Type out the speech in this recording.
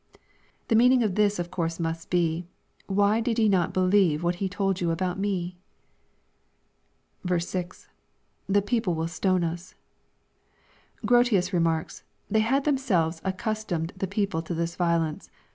] The meaning of this of course must be, "Why did ye not believe what he told you about me ?" 6. — [TTie people wiU stone lis.] Grotiua remarks, "They had them selves accustomed the people to this violence.